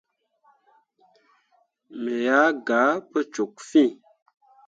Me ah gah pu cok fîi.